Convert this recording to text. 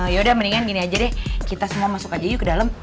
yaudah mendingan gini aja deh kita semua masuk aja yuk ke dalam